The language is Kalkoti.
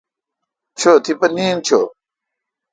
چو تیپہ نیند چو۔